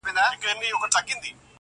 د سړیو سره خواته مقبره کی ,